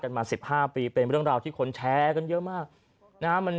กันมาสิบห้าปีเป็นเรื่องราวที่คนแชร์กันเยอะมากนะมันแบบ